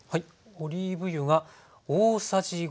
オリーブ油が大さじ５。